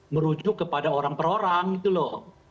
merujuk kepada orang per orang gitu loh